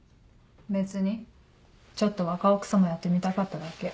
別にちょっと若奥様やってみたかっただけ。